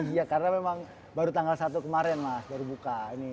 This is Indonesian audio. iya karena memang baru tanggal satu kemarin mas baru buka ini